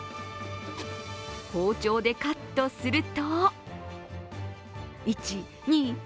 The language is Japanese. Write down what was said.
包丁でカットすると１、２、３、４、５、６！